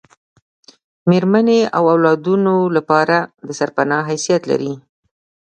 میرمنې د اولادونو لپاره دسرپنا حیثیت لري